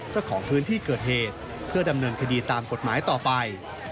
เจ้าของพื้นที่เกิดเหตุเพื่อดำเนินคดีตามกฎหมายต่อไป